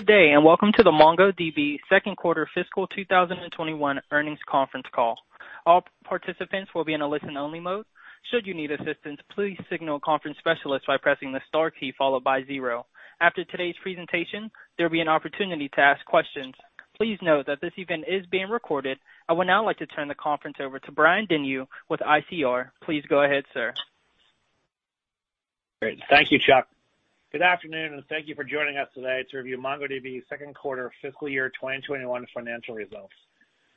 Good day. Welcome to the MongoDB second quarter fiscal 2021 earnings conference call. All participants will be in a listen-only mode. Should you need assistance, please signal a conference specialist by pressing the star key followed by zero. After today's presentation, there will be an opportunity to ask questions. Please note that this event is being recorded. I would now like to turn the conference over to Brian Denyeau with ICR. Please go ahead, sir. Great. Thank you, Chuck. Good afternoon, and thank you for joining us today to review MongoDB's second quarter fiscal year 2021 financial results,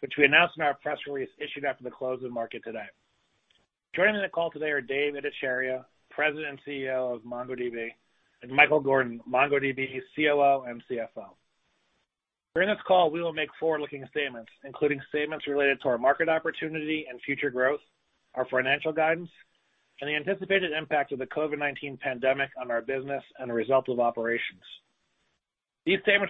which we announced in our press release issued after the close of the market today. Joining the call today are Dev Ittycheria, President and CEO of MongoDB, and Michael Gordon, MongoDB COO and CFO. During this call, we will make forward-looking statements, including statements related to our market opportunity and future growth, our financial guidance, and the anticipated impact of the COVID-19 pandemic on our business and the results of operations. For a discussion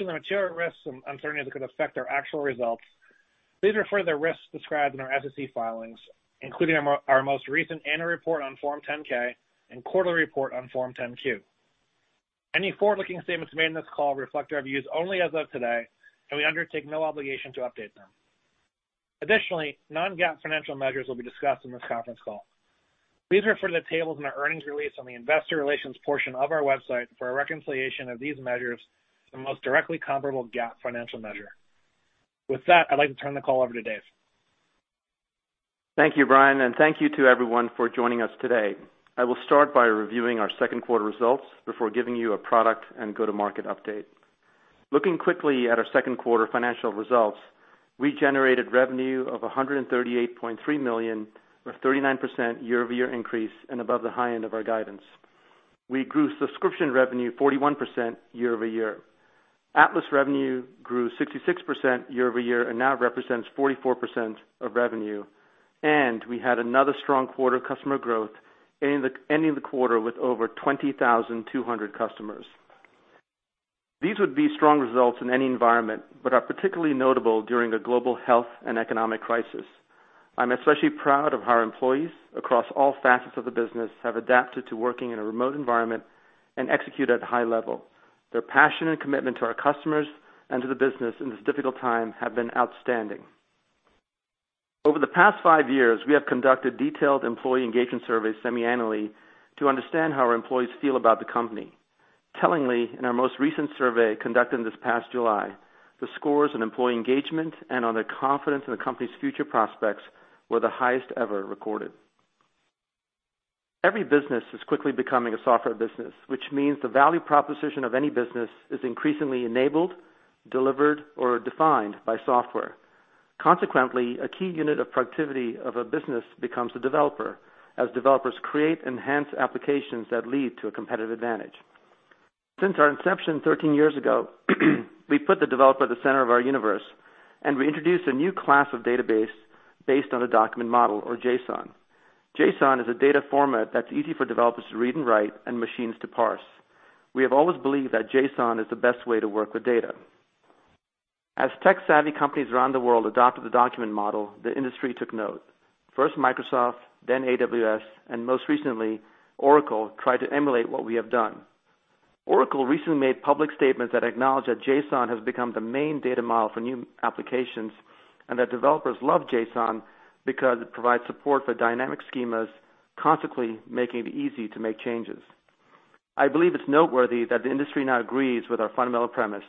of the material risks and uncertainties that could affect our actual results, please refer to the risks described in our SEC filings, including our most recent annual report on Form 10-K and quarterly report on Form 10-Q. Any forward-looking statements made in this call reflect our views only as of today, and we undertake no obligation to update them. Additionally, non-GAAP financial measures will be discussed in this conference call. Please refer to the tables in our earnings release on the investor relations portion of our website for a reconciliation of these measures to the most directly comparable GAAP financial measure. With that, I'd like to turn the call over to Dev. Thank you, Brian, and thank you to everyone for joining us today. I will start by reviewing our second quarter results before giving you a product and go-to-market update. Looking quickly at our second quarter financial results, we generated revenue of $138.3 million, a 39% year-over-year increase and above the high end of our guidance. We grew subscription revenue 41% year-over-year. Atlas revenue grew 66% year-over-year and now represents 44% of revenue. We had another strong quarter of customer growth, ending the quarter with over 20,200 customers. These would be strong results in any environment but are particularly notable during a global health and economic crisis. I'm especially proud of our employees across all facets of the business, have adapted to working in a remote environment and execute at a high level. Their passion and commitment to our customers and to the business in this difficult time have been outstanding. Over the past five years, we have conducted detailed employee engagement surveys semi-annually to understand how our employees feel about the company. Tellingly, in our most recent survey conducted this past July, the scores on employee engagement and on their confidence in the company's future prospects were the highest ever recorded. Every business is quickly becoming a software business, which means the value proposition of any business is increasingly enabled, delivered, or defined by software. Consequently, a key unit of productivity of a business becomes the developer, as developers create enhanced applications that lead to a competitive advantage. Since our inception 13 years ago, we put the developer at the center of our universe, and we introduced a new class of database based on a document model or JSON. JSON is a data format that's easy for developers to read and write and machines to parse. We have always believed that JSON is the best way to work with data. As tech-savvy companies around the world adopted the document model, the industry took note. First Microsoft, then AWS, and most recently Oracle tried to emulate what we have done. Oracle recently made public statements that acknowledge that JSON has become the main data model for new applications and that developers love JSON because it provides support for dynamic schemas, consequently making it easy to make changes. I believe it's noteworthy that the industry now agrees with our fundamental premise.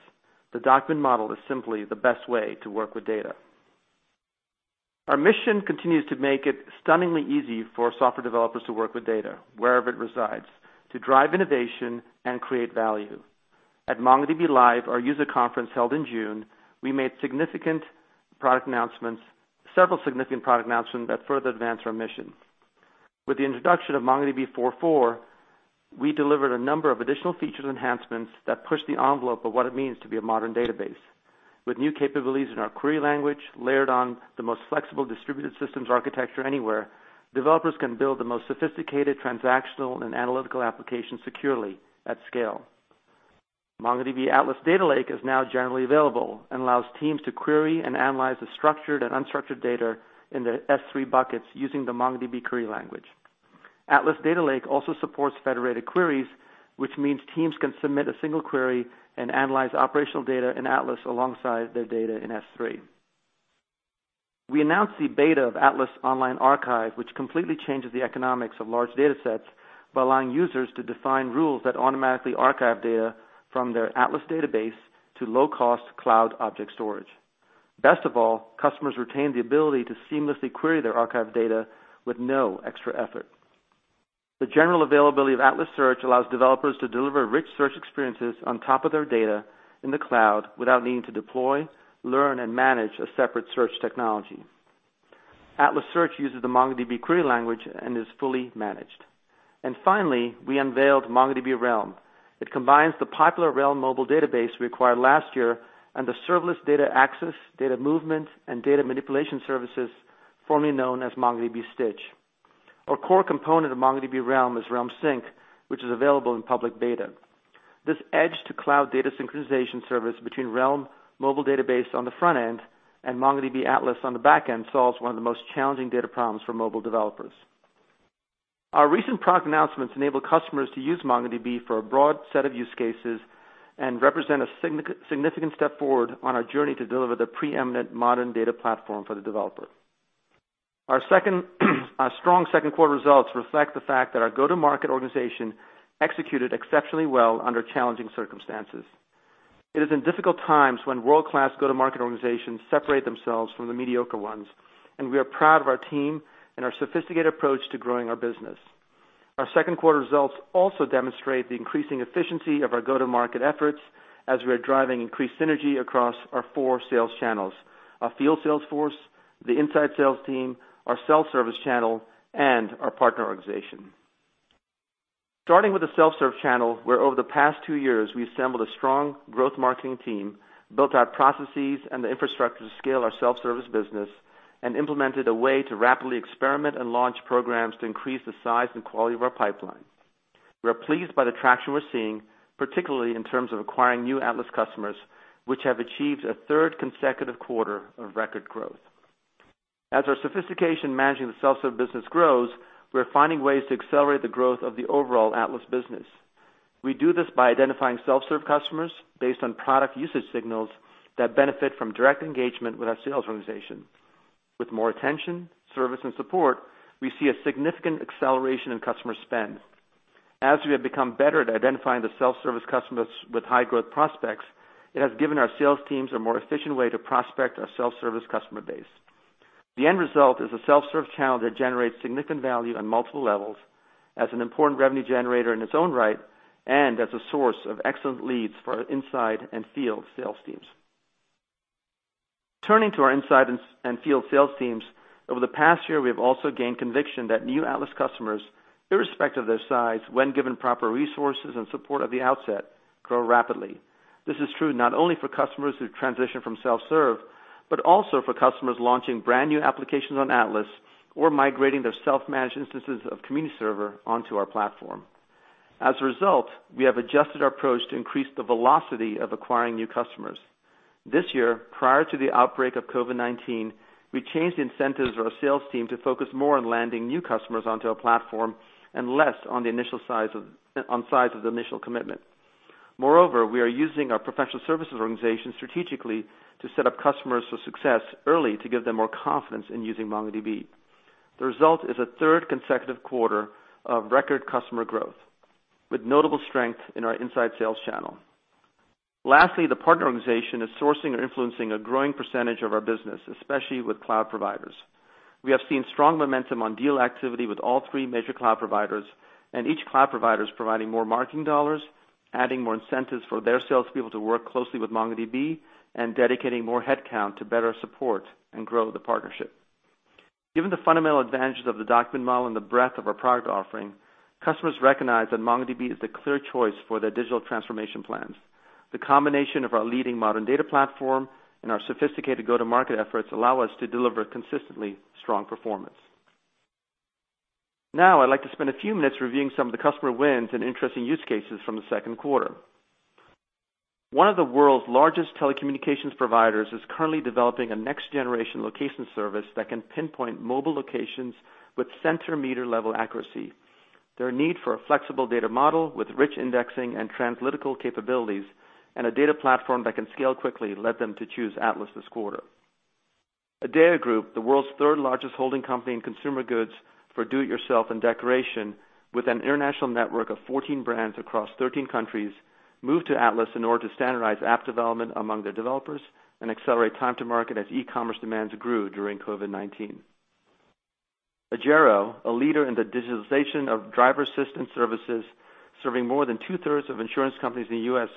The document model is simply the best way to work with data. Our mission continues to make it stunningly easy for software developers to work with data, wherever it resides, to drive innovation and create value. At MongoDB.live, our user conference held in June, we made several significant product announcements that further advance our mission. With the introduction of MongoDB 4.4, we delivered a number of additional feature enhancements that push the envelope of what it means to be a modern database. With new capabilities in our query language layered on the most flexible distributed systems architecture anywhere, developers can build the most sophisticated transactional and analytical applications securely at scale. MongoDB Atlas Data Lake is now generally available and allows teams to query and analyze the structured and unstructured data in their S3 buckets using the MongoDB Query Language. Atlas Data Lake also supports federated queries, which means teams can submit a single query and analyze operational data in Atlas alongside their data in S3. We announced the beta of Atlas Online Archive, which completely changes the economics of large data sets by allowing users to define rules that automatically archive data from their Atlas database to low-cost cloud object storage. Best of all, customers retain the ability to seamlessly query their archived data with no extra effort. The general availability of Atlas Search allows developers to deliver rich search experiences on top of their data in the cloud without needing to deploy, learn, and manage a separate search technology. Atlas Search uses the MongoDB Query Language and is fully managed. Finally, we unveiled MongoDB Realm. It combines the popular Realm Mobile Database we acquired last year and the serverless data access, data movement, and data manipulation services formerly known as MongoDB Stitch. Our core component of MongoDB Realm is Realm Sync, which is available in public beta. This edge-to-cloud data synchronization service between Realm Mobile Database on the front end and MongoDB Atlas on the back end solves one of the most challenging data problems for mobile developers. Our recent product announcements enable customers to use MongoDB for a broad set of use cases and represent a significant step forward on our journey to deliver the preeminent modern data platform for the developer. Our strong second quarter results reflect the fact that our go-to-market organization executed exceptionally well under challenging circumstances. It is in difficult times when world-class go-to-market organizations separate themselves from the mediocre ones, and we are proud of our team and our sophisticated approach to growing our business. Our second quarter results also demonstrate the increasing efficiency of our go-to-market efforts as we are driving increased synergy across our four sales channels, our field sales force, the inside sales team, our self-service channel, and our partner organization. Starting with the self-service channel, where over the past two years we assembled a strong growth marketing team, built out processes and the infrastructure to scale our self-service business, and implemented a way to rapidly experiment and launch programs to increase the size and quality of our pipeline. We're pleased by the traction we're seeing, particularly in terms of acquiring new Atlas customers, which have achieved a third consecutive quarter of record growth. As our sophistication managing the self-serve business grows, we're finding ways to accelerate the growth of the overall Atlas business. We do this by identifying self-serve customers based on product usage signals that benefit from direct engagement with our sales organization. With more attention, service, and support, we see a significant acceleration in customer spend. As we have become better at identifying the self-service customers with high-growth prospects, it has given our sales teams a more efficient way to prospect our self-service customer base. The end result is a self-serve channel that generates significant value on multiple levels as an important revenue generator in its own right and as a source of excellent leads for inside and field sales teams. Turning to our inside and field sales teams, over the past year, we have also gained conviction that new Atlas customers, irrespective of their size, when given proper resources and support at the outset, grow rapidly. This is true not only for customers who transition from self-serve, but also for customers launching brand new applications on Atlas or migrating their self-managed instances of Community Server onto our platform. As a result, we have adjusted our approach to increase the velocity of acquiring new customers. This year, prior to the outbreak of COVID-19, we changed the incentives of our sales team to focus more on landing new customers onto our platform and less on size of the initial commitment. Moreover, we are using our professional services organization strategically to set up customers for success early to give them more confidence in using MongoDB. The result is a third consecutive quarter of record customer growth with notable strength in our inside sales channel. Lastly, the partner organization is sourcing or influencing a growing percentage of our business, especially with cloud providers. We have seen strong momentum on deal activity with all three major cloud providers, and each cloud provider is providing more marketing dollars, adding more incentives for their salespeople to work closely with MongoDB, and dedicating more headcount to better support and grow the partnership. Given the fundamental advantages of the document model and the breadth of our product offering, customers recognize that MongoDB is the clear choice for their digital transformation plans. The combination of our leading modern data platform and our sophisticated go-to-market efforts allow us to deliver consistently strong performance. Now, I'd like to spend a few minutes reviewing some of the customer wins and interesting use cases from the second quarter. One of the world's largest telecommunications providers is currently developing a next-generation location service that can pinpoint mobile locations with centimeter-level accuracy. Their need for a flexible data model with rich indexing and translytical capabilities and a data platform that can scale quickly led them to choose Atlas this quarter. Adeo Group, the world's third-largest holding company in consumer goods for do-it-yourself and decoration with an international network of 14 brands across 13 countries, moved to Atlas in order to standardize app development among their developers and accelerate time to market as e-commerce demands grew during COVID-19. Agero, a leader in the digitalization of driver assistance services, serving more than two-thirds of insurance companies in the U.S.,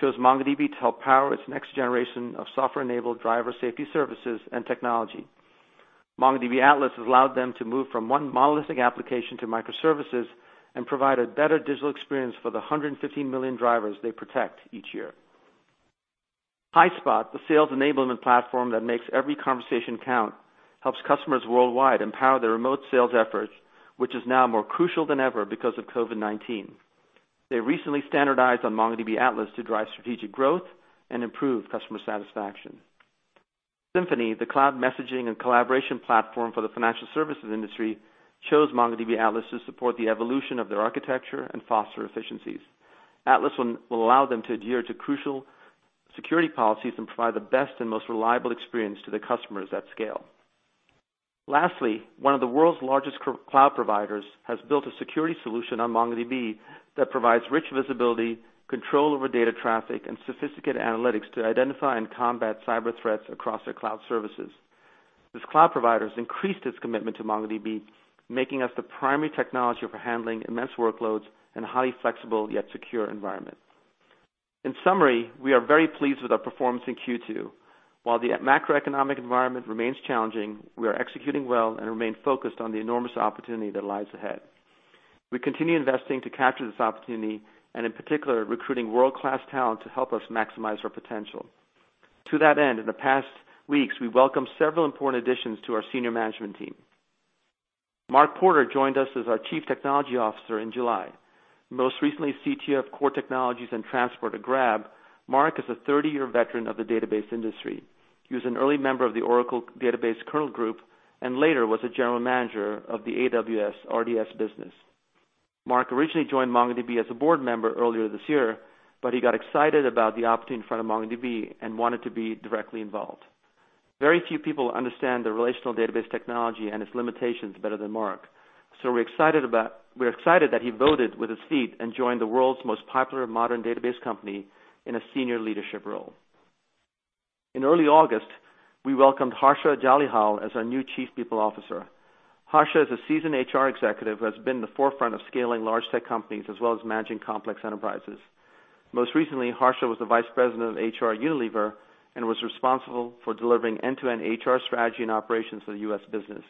chose MongoDB to help power its next generation of software-enabled driver safety services and technology. MongoDB Atlas has allowed them to move from one monolithic application to microservices and provide a better digital experience for the 115 million drivers they protect each year. Highspot, the sales enablement platform that makes every conversation count, helps customers worldwide empower their remote sales efforts, which is now more crucial than ever because of COVID-19. They recently standardized on MongoDB Atlas to drive strategic growth and improve customer satisfaction. Symphony, the cloud messaging and collaboration platform for the financial services industry, chose MongoDB Atlas to support the evolution of their architecture and foster efficiencies. Atlas will allow them to adhere to crucial security policies and provide the best and most reliable experience to their customers at scale. Lastly, one of the world's largest cloud providers has built a security solution on MongoDB that provides rich visibility, control over data traffic, and sophisticated analytics to identify and combat cyber threats across their cloud services. This cloud provider has increased its commitment to MongoDB, making us the primary technology for handling immense workloads in a highly flexible yet secure environment. In summary, we are very pleased with our performance in Q2. While the macroeconomic environment remains challenging, we are executing well and remain focused on the enormous opportunity that lies ahead. We continue investing to capture this opportunity and, in particular, recruiting world-class talent to help us maximize our potential. To that end, in the past weeks, we welcomed several important additions to our Senior Management Team. Mark Porter joined us as our Chief Technology Officer in July. Most recently, CTO of Core Technologies and Transport at Grab, Mark is a 30-year veteran of the database industry. He was an early member of the Oracle Database Kernel group, and later was a general manager of the AWS RDS business. Mark originally joined MongoDB as a Board Member earlier this year, but he got excited about the opportunity in front of MongoDB and wanted to be directly involved. Very few people understand the relational database technology and its limitations better than Mark, so we're excited that he voted with his feet and joined the world's most popular modern database company in a senior leadership role. In early August, we welcomed Harsha Jalihal as our new Chief People Officer. Harsha is a seasoned HR Executive who has been at the forefront of scaling large tech companies as well as managing complex enterprises. Most recently, Harsha was the Vice President of HR at Unilever and was responsible for delivering end-to-end HR strategy and operations for the U.S. business.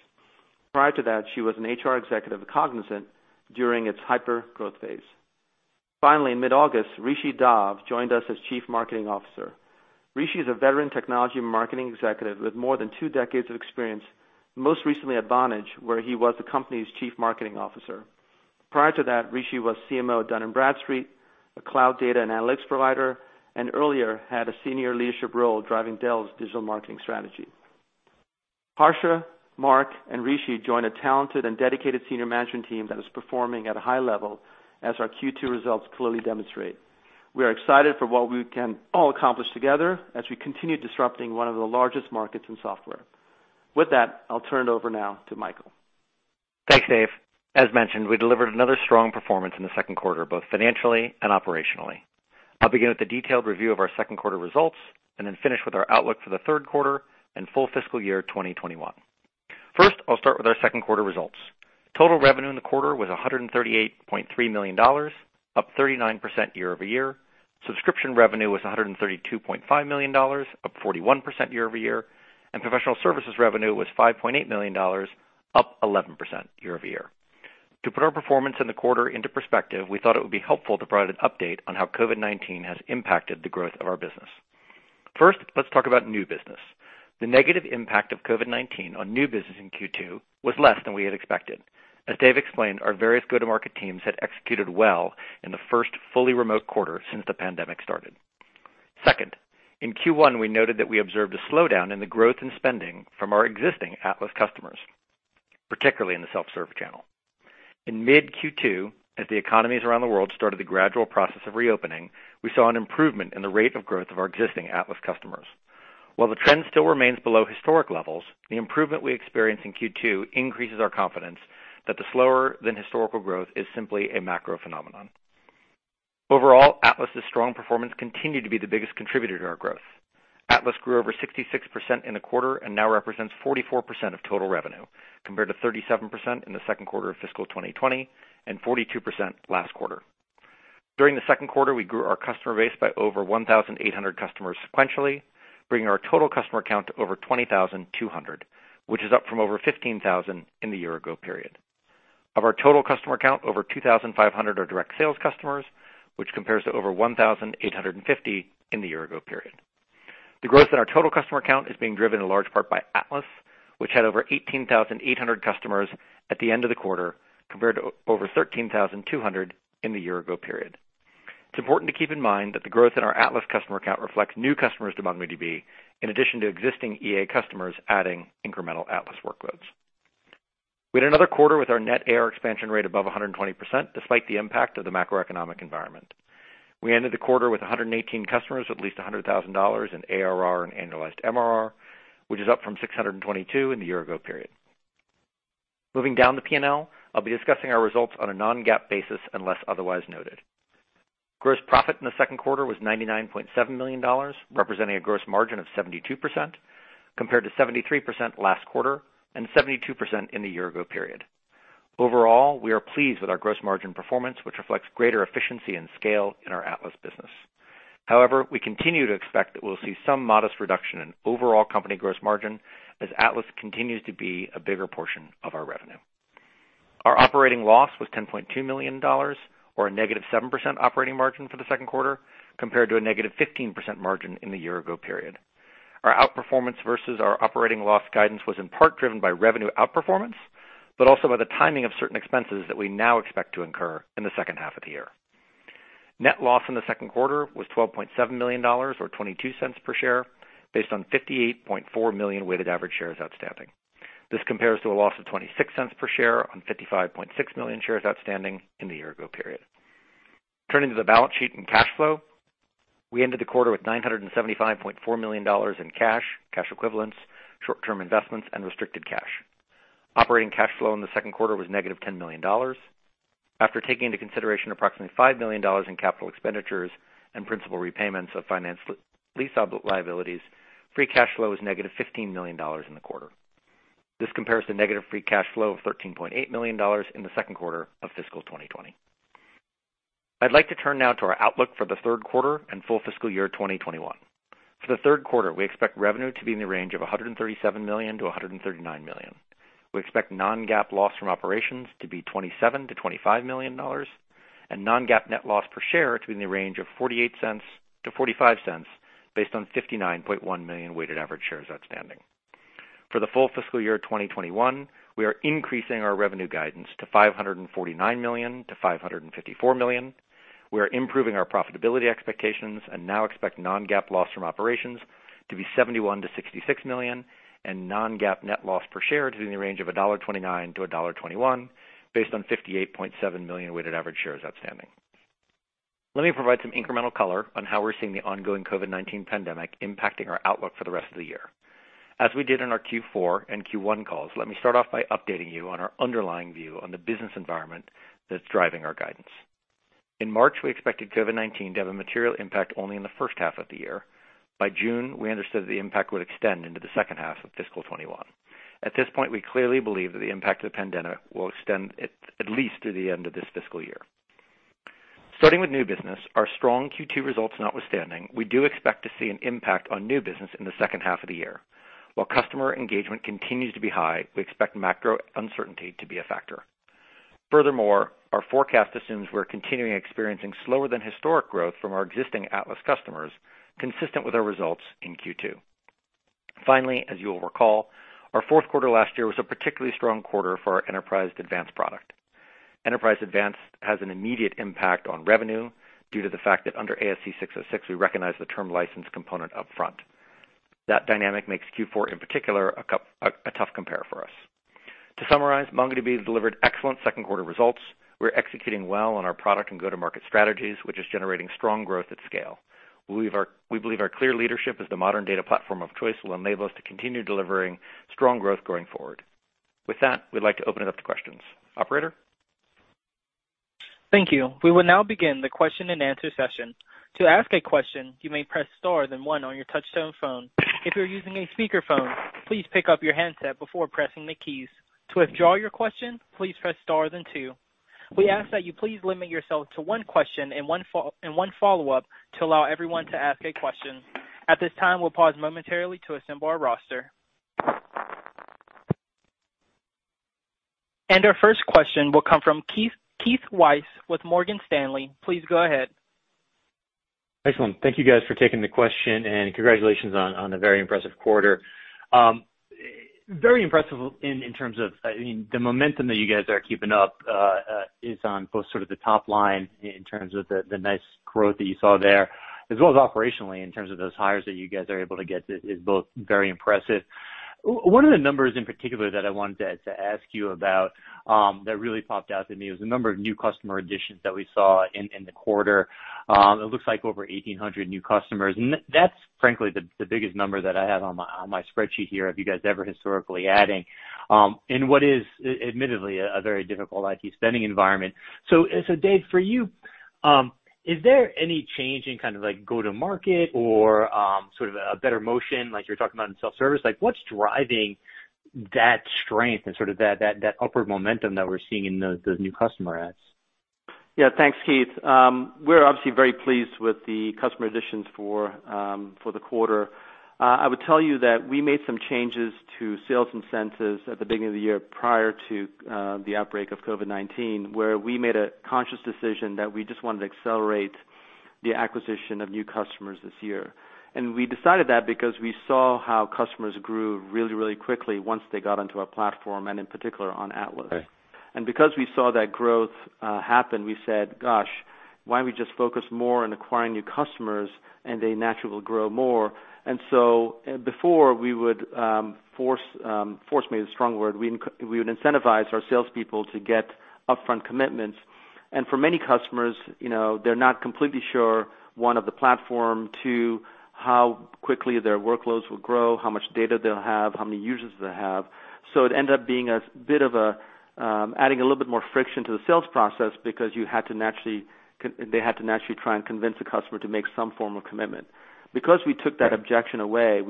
Prior to that, she was an HR executive at Cognizant during its hypergrowth phase. Finally, in mid-August, Rishi Dave joined us as Chief Marketing Officer. Rishi is a veteran technology marketing executive with more than 2 decades of experience, most recently at Vonage, where he was the company's Chief Marketing Officer. Prior to that, Rishi was CMO at Dun & Bradstreet, a cloud data and analytics provider, and earlier had a senior leadership role driving Dell's digital marketing strategy. Harsha, Mark, and Rishi join a talented and dedicated senior management team that is performing at a high level, as our Q2 results clearly demonstrate. We are excited for what we can all accomplish together as we continue disrupting one of the largest markets in software. With that, I'll turn it over now to Michael. Thanks, Dev. As mentioned, we delivered another strong performance in the second quarter, both financially and operationally. I'll begin with a detailed review of our second quarter results and then finish with our outlook for the third quarter and full fiscal year 2021. First, I'll start with our second quarter results. Total revenue in the quarter was $138.3 million, up 39% year-over-year. Subscription revenue was $132.5 million, up 41% year-over-year, and professional services revenue was $5.8 million, up 11% year-over-year. To put our performance in the quarter into perspective, we thought it would be helpful to provide an update on how COVID-19 has impacted the growth of our business. First, let's talk about new business. The negative impact of COVID-19 on new business in Q2 was less than we had expected. As Dev explained, our various go-to-market teams had executed well in the 1st fully remote quarter since the pandemic started. 2nd, in Q1, we noted that we observed a slowdown in the growth in spending from our existing Atlas customers, particularly in the self-serve channel. In mid Q2, as the economies around the world started the gradual process of reopening, we saw an improvement in the rate of growth of our existing Atlas customers. While the trend still remains below historic levels, the improvement we experienced in Q2 increases our confidence that the slower-than-historical growth is simply a macro phenomenon. Overall, Atlas' strong performance continued to be the biggest contributor to our growth. Atlas grew over 66% in the quarter and now represents 44% of total revenue, compared to 37% in the 2nd quarter of fiscal 2020 and 42% last quarter. During the second quarter, we grew our customer base by over 1,800 customers sequentially, bringing our total customer count to over 20,200, which is up from over 15,000 in the year-ago period. Of our total customer count, over 2,500 are direct sales customers, which compares to over 1,850 in the year-ago period. The growth in our total customer count is being driven in large part by Atlas, which had over 18,800 customers at the end of the quarter, compared to over 13,200 in the year-ago period. It's important to keep in mind that the growth in our Atlas customer count reflects new customers to MongoDB, in addition to existing EA customers adding incremental Atlas workloads. We had another quarter with our net ARR expansion rate above 120%, despite the impact of the macroeconomic environment. We ended the quarter with 118 customers with at least $100,000 in ARR and annualized MRR, which is up from 622 in the year-ago period. Moving down the P&L, I'll be discussing our results on a non-GAAP basis, unless otherwise noted. Gross profit in the second quarter was $99.7 million, representing a gross margin of 72%, compared to 73% last quarter and 72% in the year-ago period. Overall, we are pleased with our gross margin performance, which reflects greater efficiency and scale in our Atlas business. We continue to expect that we'll see some modest reduction in overall company gross margin as Atlas continues to be a bigger portion of our revenue. Our operating loss was $10.2 million, or a -7% operating margin for the second quarter, compared to a negative 15% margin in the year-ago period. Our outperformance versus our operating loss guidance was in part driven by revenue outperformance, but also by the timing of certain expenses that we now expect to incur in the second half of the year. Net loss in the second quarter was $12.7 million, or $0.22 per share, based on 58.4 million weighted average shares outstanding. This compares to a loss of $0.26 per share on 55.6 million shares outstanding in the year-ago period. Turning to the balance sheet and cash flow, we ended the quarter with $975.4 million in cash equivalents, short-term investments, and restricted cash. Operating cash flow in the second quarter was negative $10 million. After taking into consideration approximately $5 million in capital expenditures and principal repayments of finance lease liabilities, free cash flow was negative $15 million in the quarter. This compares to negative free cash flow of $13.8 million in the second quarter of fiscal 2020. I'd like to turn now to our outlook for the third quarter and full fiscal year 2021. For the third quarter, we expect revenue to be in the range of $137 million-$139 million. We expect non-GAAP loss from operations to be $27 million-$25 million. Non-GAAP net loss per share between the range of $0.48-$0.45 based on 59.1 million weighted average shares outstanding. For the full fiscal year 2021, we are increasing our revenue guidance to $549 million-$554 million. We are improving our profitability expectations and now expect non-GAAP loss from operations to be $71 million-$66 million and non-GAAP net loss per share to be in the range of $1.29-$1.21 based on 58.7 million weighted average shares outstanding. Let me provide some incremental color on how we're seeing the ongoing COVID-19 pandemic impacting our outlook for the rest of the year. As we did on our Q4 and Q1 calls, let me start off by updating you on our underlying view on the business environment that's driving our guidance. In March, we expected COVID-19 to have a material impact only in the first half of the year. By June, we understood that the impact would extend into the second half of fiscal 2021. At this point, we clearly believe that the impact of the pandemic will extend at least through the end of this fiscal year. Starting with new business, our strong Q2 results notwithstanding, we do expect to see an impact on new business in the second half of the year. While customer engagement continues to be high, we expect macro uncertainty to be a factor. Furthermore, our forecast assumes we're continuing experiencing slower than historic growth from our existing Atlas customers, consistent with our results in Q2. Finally, as you'll recall, our fourth quarter last year was a particularly strong quarter for our Enterprise Advanced product. Enterprise Advanced has an immediate impact on revenue due to the fact that under ASC 606, we recognize the term license component upfront. That dynamic makes Q4 in particular a tough compare for us. To summarize, MongoDB has delivered excellent second quarter results. We're executing well on our product and go-to-market strategies, which is generating strong growth at scale. We believe our clear leadership as the modern data platform of choice will enable us to continue delivering strong growth going forward. With that, we'd like to open it up to questions. Operator? Thank you. We will now begin the question and answer session. To ask a question, you may press star, then one on your touchtone phone. If you're using a speakerphone, please pick up your handset before pressing the keys. To withdraw your question, please press star, then two. We ask that you please limit yourself to one question and one follow-up to allow everyone to ask a question. At this time, we'll pause momentarily to assemble our roster. Our first question will come from Keith Weiss with Morgan Stanley. Please go ahead. Excellent. Thank you guys for taking the question, and congratulations on the very impressive quarter. Very impressive in terms of the momentum that you guys are keeping up is on both sort of the top line in terms of the nice growth that you saw there, as well as operationally in terms of those hires that you guys are able to get is both very impressive. One of the numbers in particular that I wanted to ask you about that really popped out to me was the number of new customer additions that we saw in the quarter. It looks like over 1,800 new customers. That's frankly the biggest number that I have on my spreadsheet here of you guys ever historically adding in what is admittedly a very difficult IT spending environment. Dev, for you, is there any change in go-to-market or sort of a better motion like you were talking about in self-service? What's driving that strength and sort of that upward momentum that we're seeing in those new customer adds? Yeah. Thanks, Keith. We're obviously very pleased with the customer additions for the quarter. I would tell you that we made some changes to sales incentives at the beginning of the year prior to the outbreak of COVID-19, where we made a conscious decision that we just wanted to accelerate the acquisition of new customers this year. We decided that because we saw how customers grew really quickly once they got onto our platform, and in particular on Atlas. Okay. Because we saw that growth happen, we said, "Gosh, why don't we just focus more on acquiring new customers, and they naturally will grow more?" Before we would, force may be a strong word, we would incentivize our salespeople to get upfront commitments. For many customers, they're not completely sure, one, of the platform, two, how quickly their workloads will grow, how much data they'll have, how many users they'll have. It ended up adding a little bit more friction to the sales process because they had to naturally try and convince a customer to make some form of commitment. We took that objection away,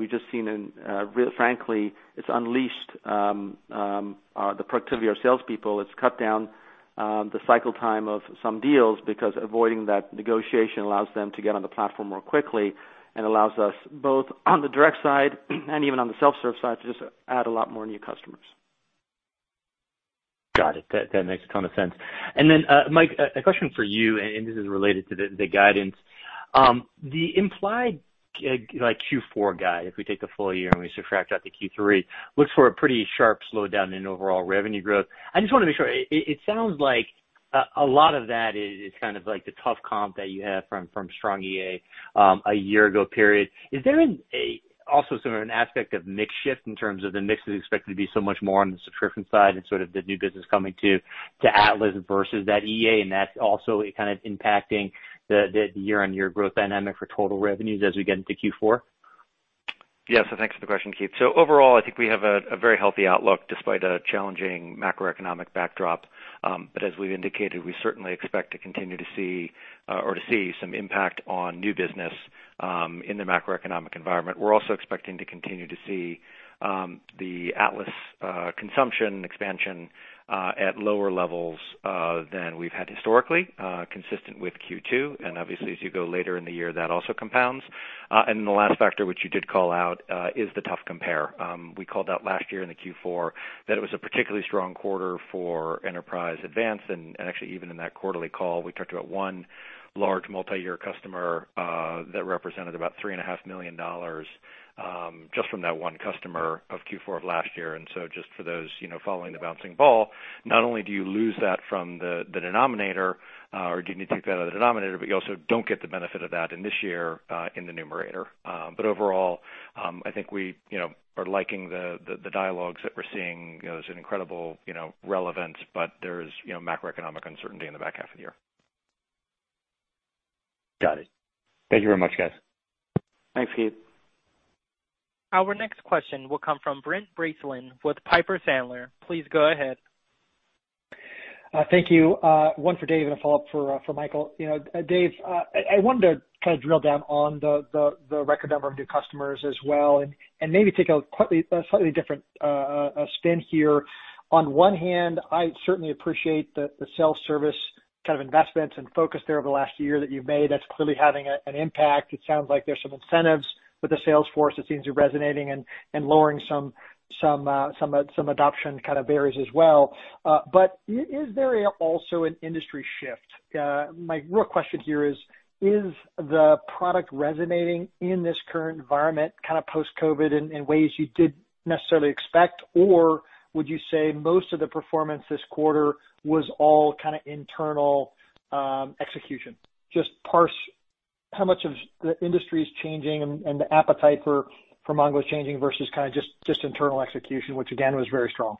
frankly, it's unleashed the productivity of our salespeople. It's cut down the cycle time of some deals because avoiding that negotiation allows them to get on the platform more quickly and allows us both on the direct side and even on the self-serve side to just add a lot more new customers. Got it. That makes a ton of sense. Then Mike, a question for you, and this is related to the guidance. The implied Q4 guide, if we take the full year and we subtract out the Q3, looks for a pretty sharp slowdown in overall revenue growth. I just want to make sure. It sounds like a lot of that is kind of like the tough comp that you have from strong EA a year ago period. Is there also sort of an aspect of mix shift in terms of the mix is expected to be so much more on the subscription side and sort of the new business coming to Atlas versus that EA, and that's also kind of impacting the year-on-year growth dynamic for total revenues as we get into Q4? Yes. Thanks for the question, Keith. Overall, I think we have a very healthy outlook despite a challenging macroeconomic backdrop. As we've indicated, we certainly expect to continue to see or to see some impact on new business in the macroeconomic environment. We're also expecting to continue to see the Atlas consumption expansion at lower levels than we've had historically, consistent with Q2. Obviously, as you go later in the year, that also compounds. The last factor, which you did call out, is the tough compare. We called out last year in the Q4 that it was a particularly strong quarter for Enterprise Advanced. Actually even in that quarterly call, we talked about one large multi-year customer that represented about $3.5 million just from that one customer of Q4 of last year. Just for those following the bouncing ball, not only do you lose that from the denominator or do you need to take that out of the denominator, but you also don't get the benefit of that in this year in the numerator. Overall, I think we are liking the dialogues that we're seeing. There's an incredible relevance, but there's macroeconomic uncertainty in the back half of the year. Got it. Thank you very much, guys. Thanks, Keith. Our next question will come from Brent Bracelin with Piper Sandler. Please go ahead. Thank you. One for Dev and a follow-up for Michael. Dev, I wanted to drill down on the record number of new customers as well and maybe take a slightly different spin here. On one hand, I certainly appreciate the self-service investments and focus there over the last year that you've made. That's clearly having an impact. It sounds like there's some incentives with the sales force that seems to be resonating and lowering some adoption barriers as well. Is there also an industry shift? My real question here is the product resonating in this current environment post-COVID in ways you didn't necessarily expect? Would you say most of the performance this quarter was all internal execution? Just parse how much of the industry is changing and the appetite for MongoDB is changing versus just internal execution, which again, was very strong.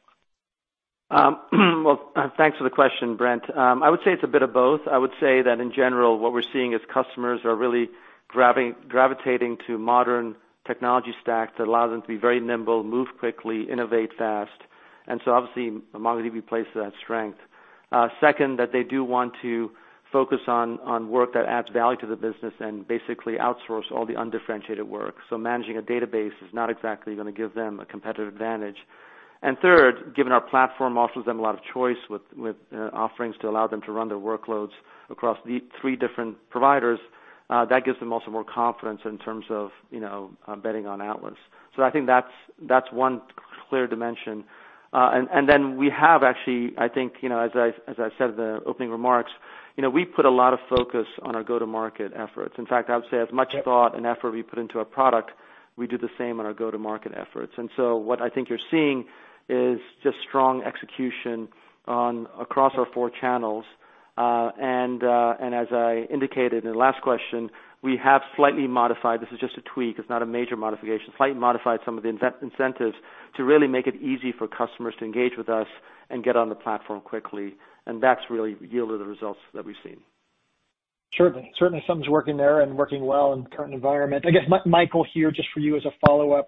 Well, thanks for the question, Brent. I would say it's a bit of both. I would say that in general, what we're seeing is customers are really gravitating to modern technology stacks that allow them to be very nimble, move quickly, innovate fast. Obviously, MongoDB plays to that strength. Second, that they do want to focus on work that adds value to the business and basically outsource all the undifferentiated work. So managing a database is not exactly going to give them a competitive advantage. Third, given our platform offers them a lot of choice with offerings to allow them to run their workloads across the three different providers, that gives them also more confidence in terms of betting on Atlas. I think that's one clear dimension. We have actually, I think as I said in the opening remarks, we put a lot of focus on our go-to-market efforts. In fact, I would say as much thought and effort we put into our product, we do the same on our go-to-market efforts. What I think you're seeing is just strong execution across our four channels. As I indicated in the last question, we have slightly modified, this is just a tweak, it's not a major modification, slightly modified some of the incentives to really make it easy for customers to engage with us and get on the platform quickly. That's really yielded the results that we've seen. Certainly. Certainly something's working there and working well in the current environment. I guess, Michael, here, just for you as a follow-up.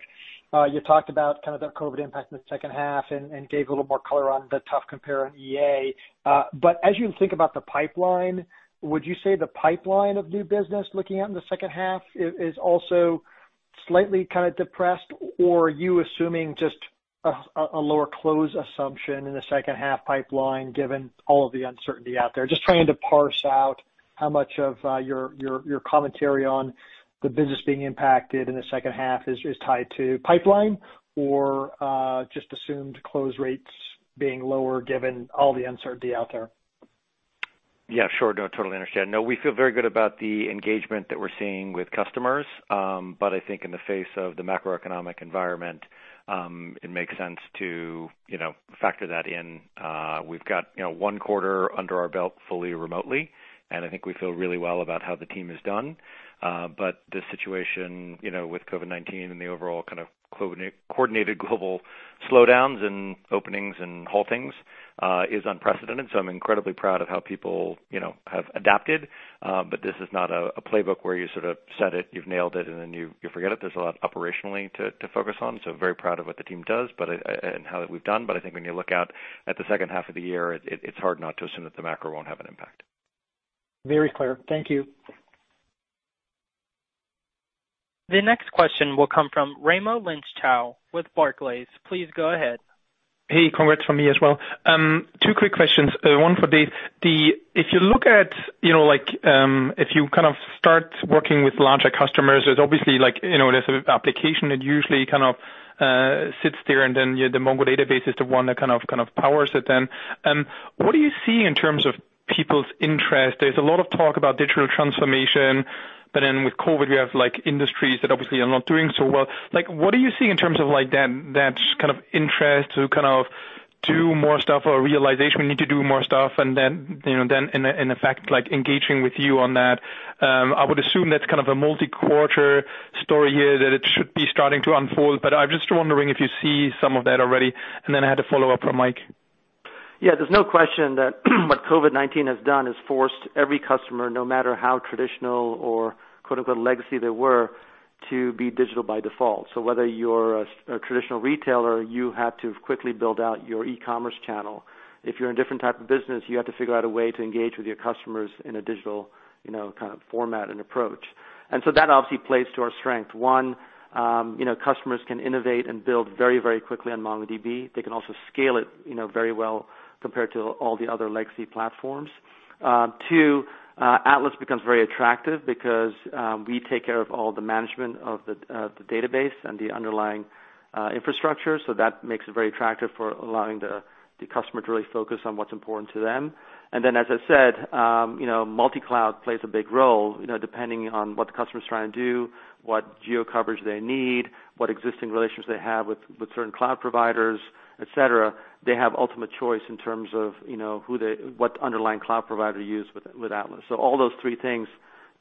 You talked about that COVID impact in the second half and gave a little more color on the tough compare on EA. As you think about the pipeline, would you say the pipeline of new business looking out in the second half is also slightly depressed, or are you assuming just a lower close assumption in the second half pipeline given all of the uncertainty out there? Just trying to parse out how much of your commentary on the business being impacted in the second half is tied to pipeline or just assumed close rates being lower given all the uncertainty out there. Yeah, sure. No, totally understand. No, we feel very good about the engagement that we're seeing with customers. I think in the face of the macroeconomic environment, it makes sense to factor that in. We've got one quarter under our belt fully remotely, and I think we feel really well about how the team has done. The situation with COVID-19 and the overall kind of coordinated global slowdowns and openings and haltings is unprecedented. I'm incredibly proud of how people have adapted. This is not a playbook where you sort of said it, you've nailed it, and then you forget it. There's a lot operationally to focus on. Very proud of what the team does and how we've done. I think when you look out at the second half of the year, it's hard not to assume that the macro won't have an impact. Very clear. Thank you. The next question will come from Raimo Lenschow with Barclays. Please go ahead. Hey, congrats from me as well. Two quick questions, one for Dev. If you start working with larger customers, there's obviously an application that usually sits there, and then the MongoDB database is the one that powers it then. What do you see in terms of people's interest? There's a lot of talk about digital transformation, but then with COVID-19, we have industries that obviously are not doing so well. What are you seeing in terms of that interest to do more stuff or realization we need to do more stuff, and then in effect, engaging with you on that? I would assume that's a multi-quarter story here that it should be starting to unfold. I'm just wondering if you see some of that already. I had a follow-up for Mike. Yeah, there's no question that what COVID-19 has done is forced every customer, no matter how traditional or "legacy" they were, to be digital by default. Whether you're a traditional retailer, you have to quickly build out your e-commerce channel. If you're in a different type of business, you have to figure out a way to engage with your customers in a digital kind of format and approach. That obviously plays to our strength. One, customers can innovate and build very quickly on MongoDB. They can also scale it very well compared to all the other legacy platforms. Two, Atlas becomes very attractive because we take care of all the management of the database and the underlying infrastructure, so that makes it very attractive for allowing the customer to really focus on what's important to them. Then, as I said, multi-cloud plays a big role, depending on what the customer's trying to do, what geo-coverage they need, what existing relations they have with certain cloud providers, et cetera. They have ultimate choice in terms of what underlying cloud provider to use with Atlas. All those three things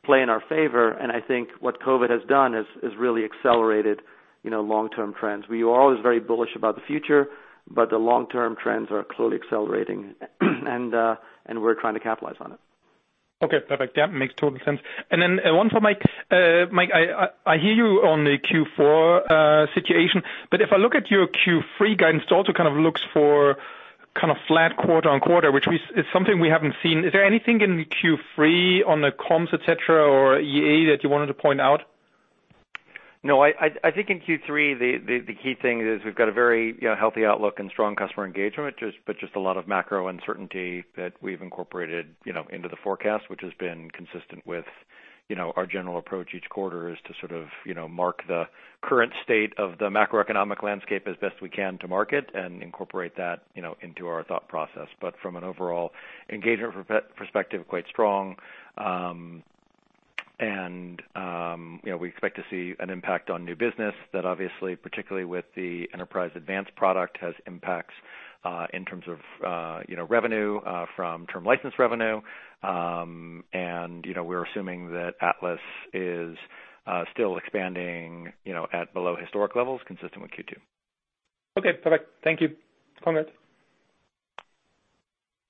play in our favor, and I think what COVID has done is really accelerated long-term trends. We were always very bullish about the future, but the long-term trends are clearly accelerating, and we're trying to capitalize on it. Okay, perfect. Yeah, makes total sense. Then one for Mike. Mike, I hear you on the Q4 situation, but if I look at your Q3 guidance, it also kind of looks for kind of flat quarter on quarter, which is something we haven't seen. Is there anything in Q3 on the comps, et cetera, or EA that you wanted to point out? No, I think in Q3, the key thing is we've got a very healthy outlook and strong customer engagement, but just a lot of macro uncertainty that we've incorporated into the forecast, which has been consistent with our general approach each quarter is to sort of mark the current state of the macroeconomic landscape as best we can to market and incorporate that into our thought process. From an overall engagement perspective, quite strong. We expect to see an impact on new business that obviously, particularly with the Enterprise Advanced product, has impacts in terms of revenue from term license revenue. We're assuming that Atlas is still expanding at below historic levels, consistent with Q2. Okay, perfect. Thank you.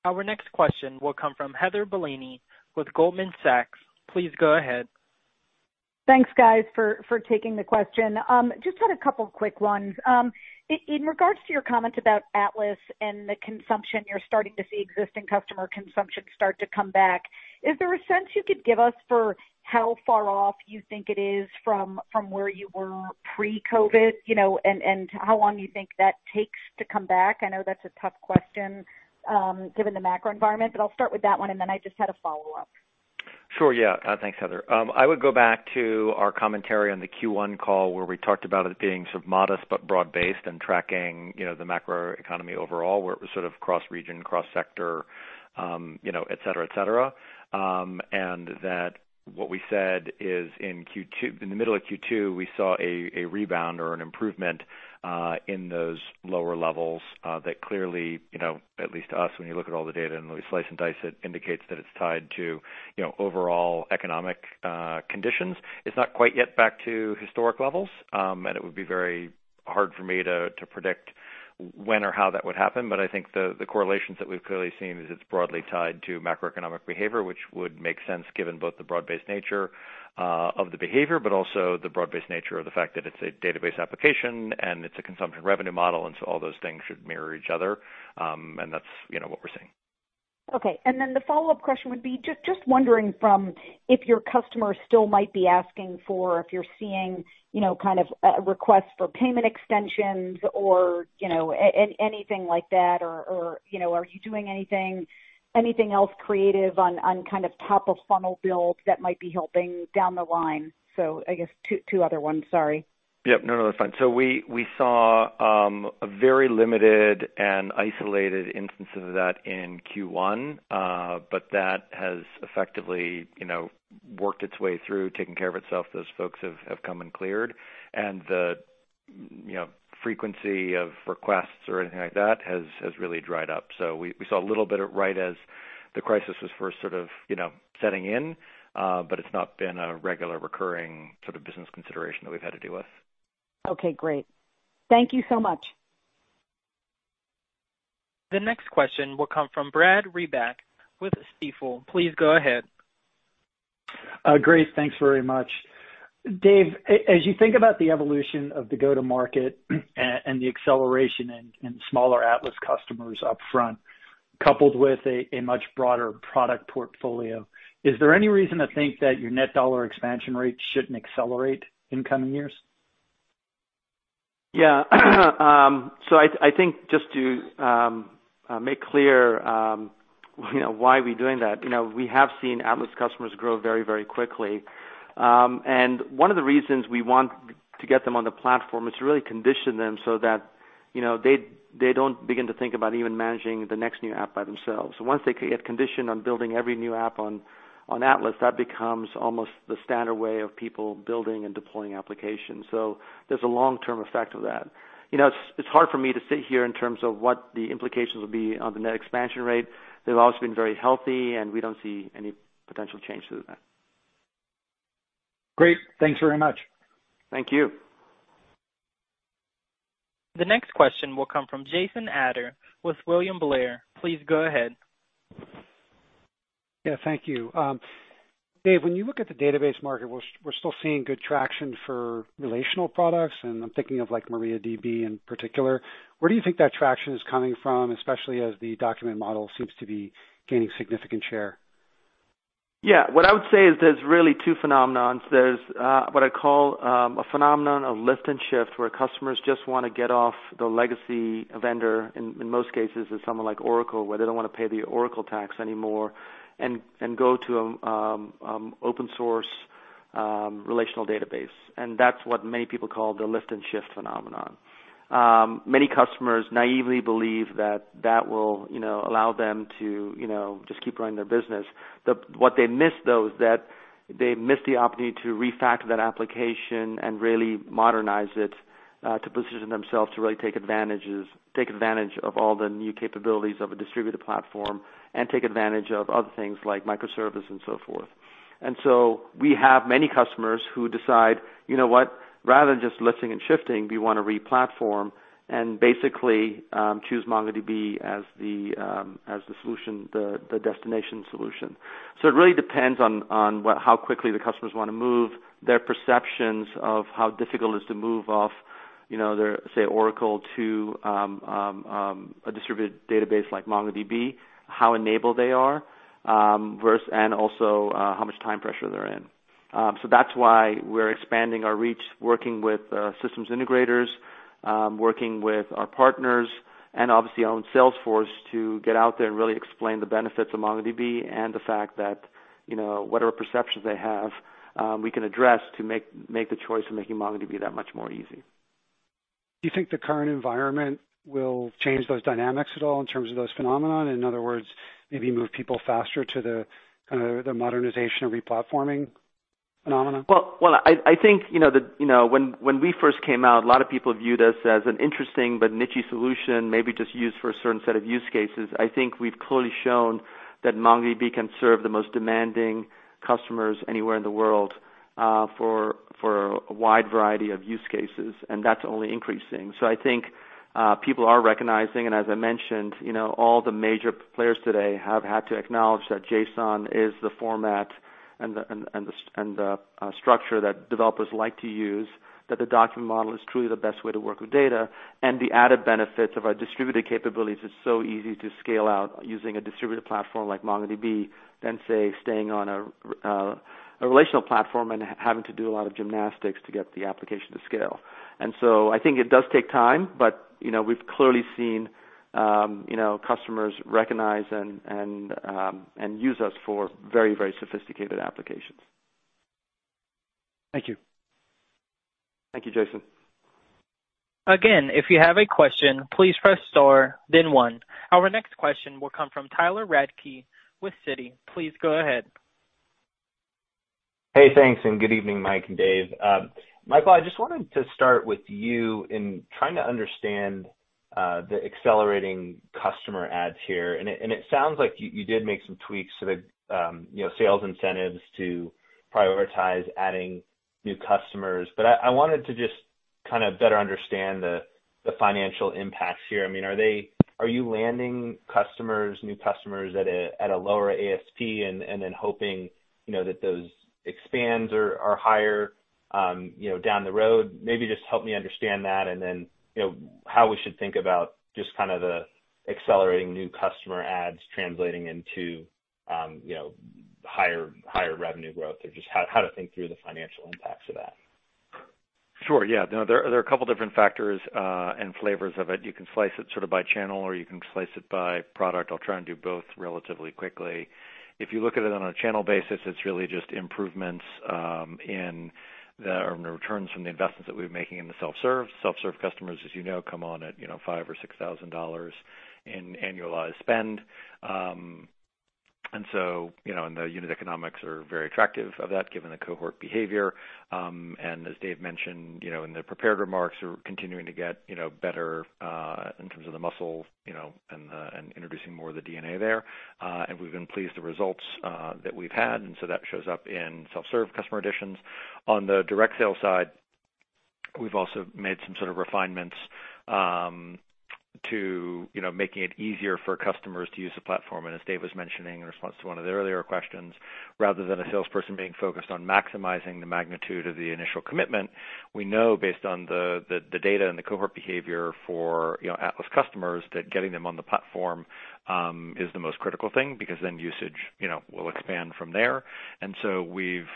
Our next question will come from Heather Bellini with Goldman Sachs. Please go ahead. Thanks, guys, for taking the question. Just had a couple of quick ones. In regards to your comment about Atlas and the consumption, you're starting to see existing customer consumption start to come back. Is there a sense you could give us for how far off you think it is from where you were pre-COVID, and how long you think that takes to come back? I know that's a tough question given the macro environment, but I'll start with that one, and then I just had a follow-up. Sure, yeah. Thanks, Heather. I would go back to our commentary on the Q1 call where we talked about it being sort of modest but broad-based and tracking the macro economy overall, where it was sort of cross-region, cross-sector, et cetera. That what we said is in the middle of Q2, we saw a rebound or an improvement in those lower levels that clearly, at least to us, when you look at all the data and we slice and dice it, indicates that it's tied to overall economic conditions. It's not quite yet back to historic levels. It would be very hard for me to predict when or how that would happen. I think the correlations that we've clearly seen is it's broadly tied to macroeconomic behavior, which would make sense given both the broad-based nature of the behavior, but also the broad-based nature of the fact that it's a database application and it's a consumption revenue model, and so all those things should mirror each other. That's what we're seeing. Okay. The follow-up question would be, just wondering from if your customers still might be asking for if you're seeing kind of a request for payment extensions or anything like that, or are you doing anything else creative on kind of top of funnel builds that might be helping down the line? I guess two other ones, sorry. Yep, no, that's fine. We saw very limited and isolated instances of that in Q1. That has effectively worked its way through, taking care of itself. Those folks have come and cleared, and the frequency of requests or anything like that has really dried up. We saw a little bit right as the crisis was first sort of setting in, but it's not been a regular recurring sort of business consideration that we've had to deal with. Okay, great. Thank you so much. The next question will come from Brad Reback with Stifel. Please go ahead. Great. Thanks very much. Dev, as you think about the evolution of the go-to-market and the acceleration in smaller Atlas customers upfront, coupled with a much broader product portfolio, is there any reason to think that your net dollar expansion rate shouldn't accelerate in coming years? Yeah. I think just to make clear why we're doing that. We have seen Atlas customers grow very quickly. One of the reasons we want to get them on the platform is to really condition them so that they don't begin to think about even managing the next new app by themselves. Once they get conditioned on building every new app on Atlas, that becomes almost the standard way of people building and deploying applications. There's a long-term effect of that. It's hard for me to sit here in terms of what the implications will be on the net expansion rate. They've always been very healthy, and we don't see any potential change to that. Great. Thanks very much. Thank you. The next question will come from Jason Ader with William Blair. Please go ahead. Yeah, thank you. Dev, when you look at the database market, we're still seeing good traction for relational products, and I'm thinking of MariaDB in particular. Where do you think that traction is coming from, especially as the document model seems to be gaining significant share? Yeah. What I would say is there's really two phenomenons. There's what I call a phenomenon of lift and shift, where customers just want to get off the legacy vendor, in most cases it's someone like Oracle, where they don't want to pay the Oracle tax anymore, and go to an open source relational database. That's what many people call the lift and shift phenomenon. Many customers naively believe that that will allow them to just keep running their business. What they miss, though, is that they miss the opportunity to refactor that application and really modernize it to position themselves to really take advantage of all the new capabilities of a distributed platform and take advantage of other things like microservice and so forth. We have many customers who decide, you know what, rather than just lifting and shifting, we want to re-platform and basically choose MongoDB as the destination solution. It really depends on how quickly the customers want to move, their perceptions of how difficult it is to move off their, say, Oracle, to a distributed database like MongoDB, how enabled they are, and also how much time pressure they're in. That's why we're expanding our reach, working with systems integrators, working with our partners, and obviously our own sales force to get out there and really explain the benefits of MongoDB and the fact that whatever perceptions they have, we can address to make the choice of making MongoDB that much more easy. Do you think the current environment will change those dynamics at all in terms of those phenomenon? In other words, maybe move people faster to the modernization of re-platforming phenomenon? Well, I think when we first came out, a lot of people viewed us as an interesting but niche solution, maybe just used for a certain set of use cases. I think we've clearly shown that MongoDB can serve the most demanding customers anywhere in the world for a wide variety of use cases, and that's only increasing. I think people are recognizing, and as I mentioned, all the major players today have had to acknowledge that JSON is the format and the structure that developers like to use, that the document model is truly the best way to work with data, and the added benefits of our distributed capabilities. It's so easy to scale out using a distributed platform like MongoDB than, say, staying on a relational platform and having to do a lot of gymnastics to get the application to scale. I think it does take time, but we've clearly seen customers recognize and use us for very sophisticated applications. Thank you. Thank you, Jason. Again, if you have a question, please press star then one. Our next question will come from Tyler Radke with Citi. Please go ahead. Hey, thanks, and good evening, Mike and Dave. Michael, I just wanted to start with you in trying to understand the accelerating customer adds here. It sounds like you did make some tweaks to the sales incentives to prioritize adding new customers. I wanted to just better understand the financial impacts here. Are you landing new customers at a lower ASP and then hoping that those expands are higher down the road? Maybe just help me understand that, and then how we should think about just the accelerating new customer adds translating into higher revenue growth, or just how to think through the financial impacts of that. Sure, yeah. There are a couple different factors and flavors of it. You can slice it by channel or you can slice it by product. I'll try and do both relatively quickly. If you look at it on a channel basis, it's really just improvements in the returns from the investments that we've been making in the self-serve. Self-serve customers, as you know, come on at $5,000 or $6,000 in annualized spend. The unit economics are very attractive of that given the cohort behavior. As Dev mentioned in the prepared remarks, we're continuing to get better in terms of the muscle and introducing more of the DNA there. We've been pleased with the results that we've had, and so that shows up in self-serve customer additions. On the direct sales side, we've also made some sort of refinements to making it easier for customers to use the platform. As Dev was mentioning in response to one of the earlier questions, rather than a salesperson being focused on maximizing the magnitude of the initial commitment, we know based on the data and the cohort behavior for Atlas customers, that getting them on the platform is the most critical thing, because then usage will expand from there. So we've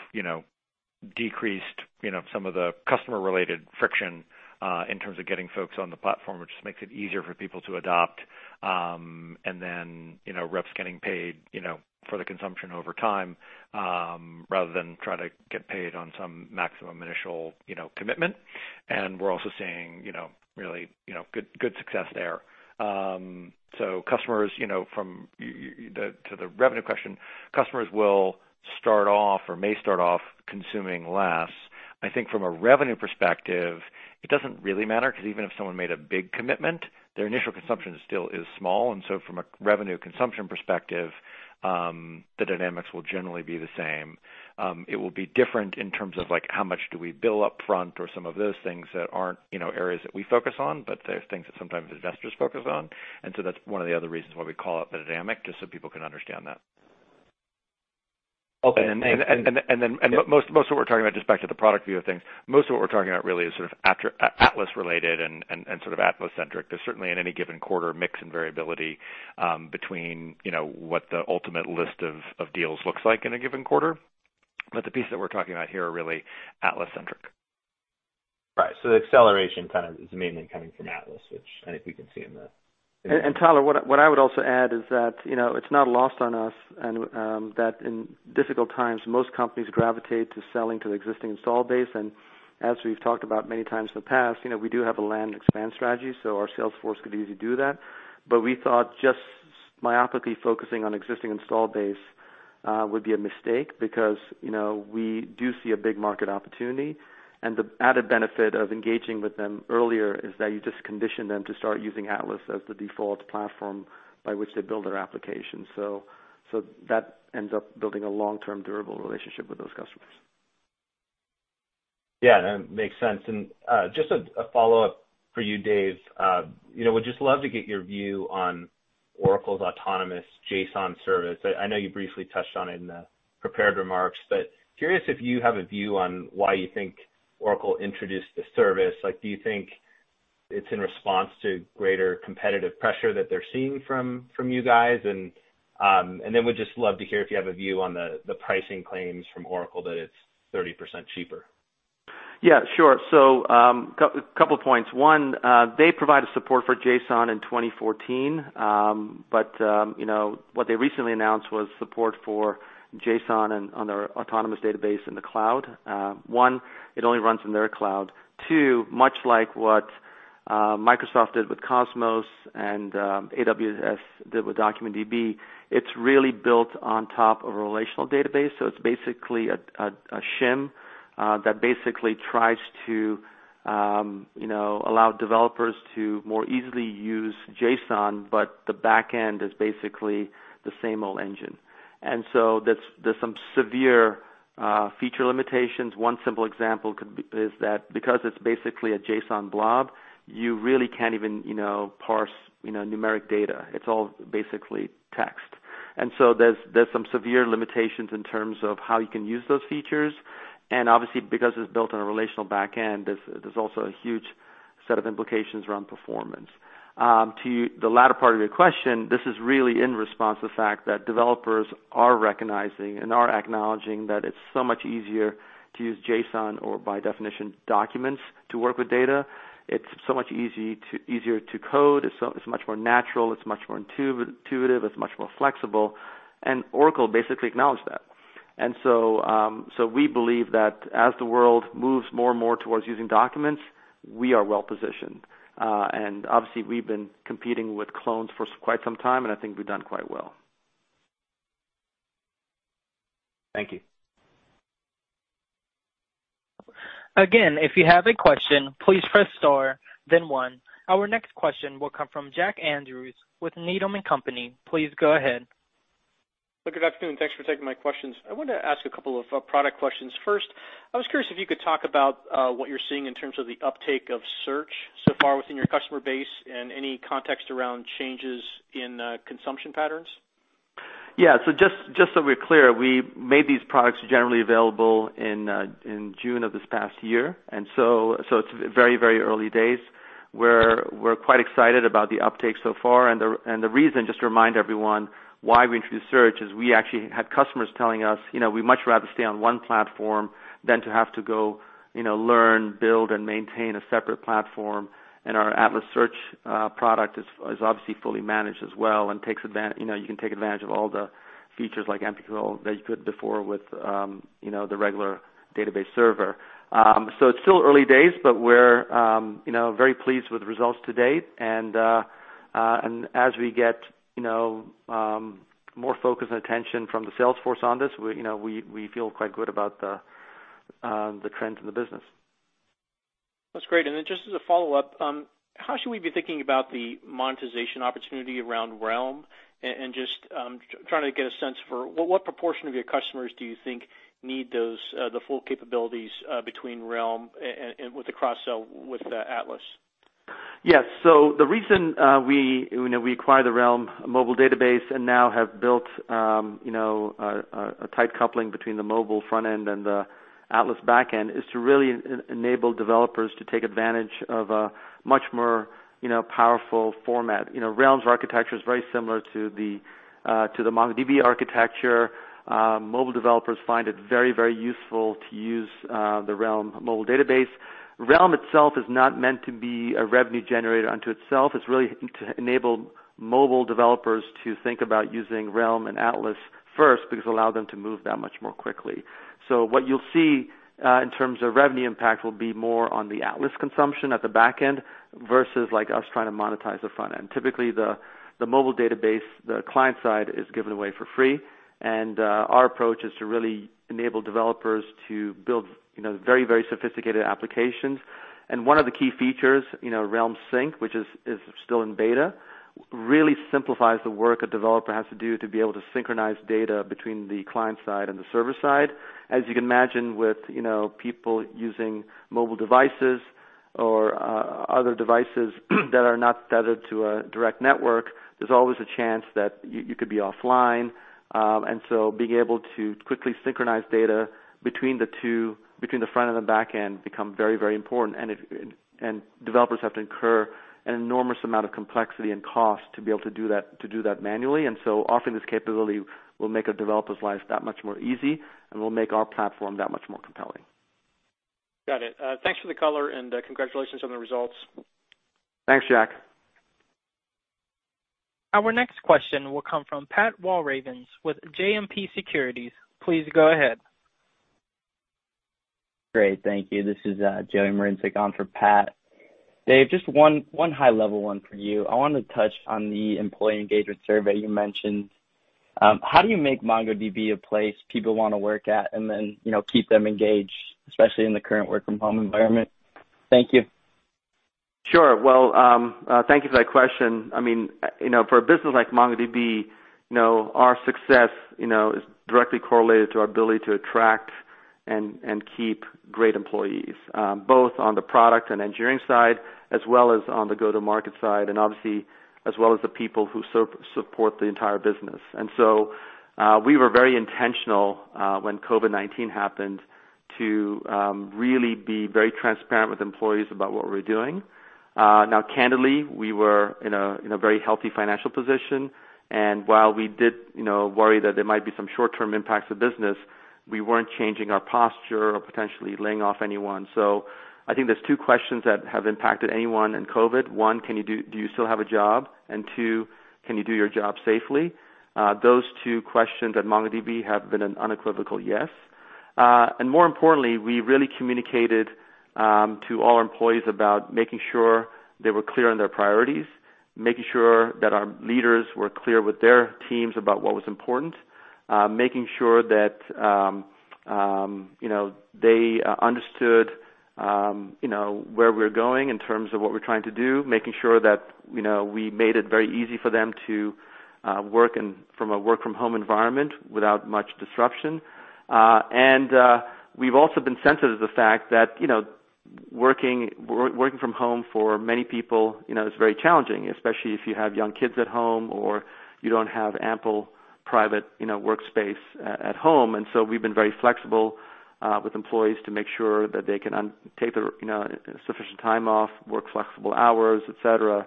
decreased some of the customer-related friction in terms of getting folks on the platform, which makes it easier for people to adopt. Then reps getting paid for the consumption over time, rather than try to get paid on some maximum initial commitment. We're also seeing really good success there. To the revenue question, customers will start off or may start off consuming less. I think from a revenue perspective, it doesn't really matter, because even if someone made a big commitment, their initial consumption still is small. From a revenue consumption perspective, the dynamics will generally be the same. It will be different in terms of how much do we bill up front or some of those things that aren't areas that we focus on, but they're things that sometimes investors focus on. That's one of the other reasons why we call it the dynamic, just so people can understand that. Okay. Most of what we're talking about, just back to the product view of things, most of what we're talking about really is sort of Atlas related and sort of Atlas centric. There's certainly in any given quarter, mix and variability between what the ultimate list of deals looks like in a given quarter. The piece that we're talking about here are really Atlas centric. Right. The acceleration kind of is mainly coming from Atlas, which I think you can see. Tyler, what I would also add is that it's not lost on us, and that in difficult times, most companies gravitate to selling to the existing install base. As we've talked about many times in the past, we do have a land expand strategy, so our sales force could easily do that. We thought just myopically focusing on existing install base, would be a mistake because we do see a big market opportunity. The added benefit of engaging with them earlier is that you just condition them to start using Atlas as the default platform by which they build their applications. That ends up building a long-term durable relationship with those customers. Yeah, that makes sense. Just a follow-up for you, Dev. Would just love to get your view on Oracle's autonomous JSON service. I know you briefly touched on it in the prepared remarks, but curious if you have a view on why you think Oracle introduced the service. Do you think it's in response to greater competitive pressure that they're seeing from you guys? Would just love to hear if you have a view on the pricing claims from Oracle that it's 30% cheaper. Yeah, sure. Couple of points. One, they provided support for JSON in 2014. What they recently announced was support for JSON and on their autonomous database in the cloud. One, it only runs in their cloud. Two, much like what Microsoft did with Cosmos and AWS did with DocumentDB, it's really built on top of a relational database. It's basically a shim that basically tries to allow developers to more easily use JSON, but the back end is basically the same old engine. There's some severe feature limitations. One simple example is that because it's basically a JSON blob, you really can't even parse numeric data. It's all basically text. There's some severe limitations in terms of how you can use those features. Obviously, because it's built on a relational back end, there's also a huge set of implications around performance. To the latter part of your question, this is really in response to the fact that developers are recognizing and are acknowledging that it's so much easier to use JSON or by definition, documents to work with data. It's so much easier to code. It's much more natural. It's much more intuitive. It's much more flexible. Oracle basically acknowledged that. We believe that as the world moves more and more towards using documents, we are well-positioned. Obviously, we've been competing with clones for quite some time, and I think we've done quite well. Thank you. Again, if you have a question, please press star then one. Our next question will come from Jack Andrews with Needham & Company. Please go ahead. Good afternoon. Thanks for taking my questions. I wanted to ask a couple of product questions. First, I was curious if you could talk about what you're seeing in terms of the uptake of search so far within your customer base and any context around changes in consumption patterns. Yeah. Just so we're clear, we made these products generally available in June of this past year. It's very early days. We're quite excited about the uptake so far. The reason, just to remind everyone why we introduced search, is we actually had customers telling us, "We much rather stay on one platform than to have to go learn, build, and maintain a separate platform." Our Atlas Search product is obviously fully managed as well, and you can take advantage of all the features like MQL that you could before with the regular database server. It's still early days, but we're very pleased with the results to date. As we get more focus and attention from the sales force on this, we feel quite good about the trends in the business. That's great. Just as a follow-up, how should we be thinking about the monetization opportunity around Realm? Just trying to get a sense for what proportion of your customers do you think need the full capabilities, between Realm and with the cross-sell with Atlas? Yes. The reason we acquired the Realm Mobile Database and now have built a tight coupling between the mobile front end and the Atlas back end is to really enable developers to take advantage of a much more powerful format. Realm's architecture is very similar to the MongoDB architecture. Mobile developers find it very useful to use the Realm Mobile Database. Realm itself is not meant to be a revenue generator unto itself. It's really to enable mobile developers to think about using Realm and Atlas first because it allow them to move that much more quickly. What you'll see, in terms of revenue impact, will be more on the Atlas consumption at the back end versus us trying to monetize the front end. Typically, the mobile database, the client side, is given away for free. Our approach is to really enable developers to build very sophisticated applications. One of the key features, Realm Sync, which is still in beta, really simplifies the work a developer has to do to be able to synchronize data between the client side and the server side. As you can imagine with people using mobile devices or other devices that are not tethered to a direct network, there's always a chance that you could be offline. Being able to quickly synchronize data between the two, between the front and the back end, become very important. Developers have to incur an enormous amount of complexity and cost to be able to do that manually. Offering this capability will make a developer's life that much more easy and will make our platform that much more compelling. Got it. Thanks for the color, and congratulations on the results. Thanks, Jack. Our next question will come from Pat Walravens with JMP Securities. Please go ahead. Great. Thank you. This is Joey on for Pat. Dev, just one high level one for you. I wanted to touch on the employee engagement survey you mentioned. How do you make MongoDB a place people want to work at and then keep them engaged, especially in the current work from home environment? Thank you. Well, thank you for that question. For a business like MongoDB, our success is directly correlated to our ability to attract and keep great employees, both on the product and engineering side, as well as on the go-to-market side, and obviously, as well as the people who support the entire business. We were very intentional when COVID-19 happened to really be very transparent with employees about what we were doing. Now, candidly, we were in a very healthy financial position. While we did worry that there might be some short-term impacts to business, we weren't changing our posture or potentially laying off anyone. I think there's two questions that have impacted anyone in COVID. One, do you still have a job? Two, can you do your job safely? Those two questions at MongoDB have been an unequivocal yes. More importantly, we really communicated to all our employees about making sure they were clear on their priorities, making sure that our leaders were clear with their teams about what was important, making sure that they understood where we're going in terms of what we're trying to do, making sure that we made it very easy for them to work from a work from home environment without much disruption. We've also been sensitive to the fact that working from home for many people is very challenging, especially if you have young kids at home or you don't have ample private workspace at home. So we've been very flexible with employees to make sure that they can take sufficient time off, work flexible hours, et cetera.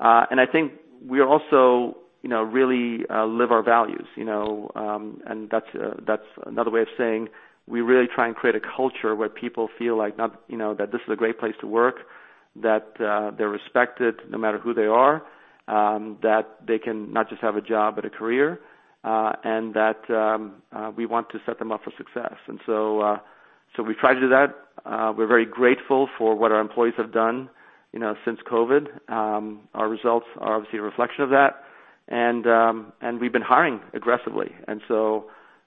I think we also really live our values. That's another way of saying we really try and create a culture where people feel like that this is a great place to work, that they're respected no matter who they are, that they can not just have a job, but a career, and that we want to set them up for success. We try to do that. We're very grateful for what our employees have done since COVID. Our results are obviously a reflection of that. We've been hiring aggressively.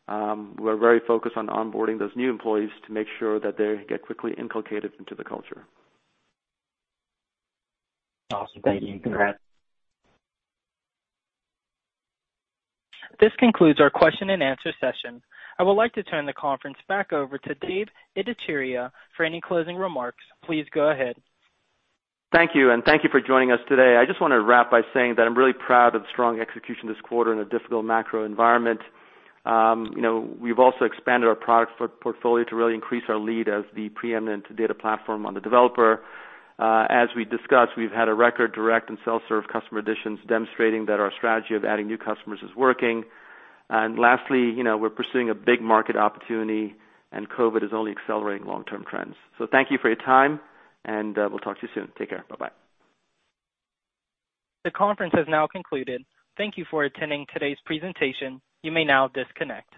We're very focused on onboarding those new employees to make sure that they get quickly inculcated into the culture. Awesome. Thank you. Congrats. This concludes our question and answer session. I would like to turn the conference back over to Dev Ittycheria for any closing remarks. Please go ahead. Thank you for joining us today. I just want to wrap by saying that I'm really proud of the strong execution this quarter in a difficult macro environment. We've also expanded our product portfolio to really increase our lead as the preeminent data platform on the developer. As we discussed, we've had a record direct and self-serve customer additions demonstrating that our strategy of adding new customers is working. Lastly, we're pursuing a big market opportunity, and COVID is only accelerating long-term trends. Thank you for your time, and we'll talk to you soon. Take care. Bye-bye. The conference has now concluded. Thank Thank you for attending today's presentation. You may now disconnect.